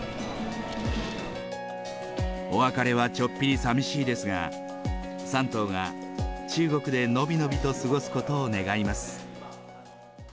お別れはちょっぴりさみしいですが、３頭が中国で伸び伸びと過ごすことを願います。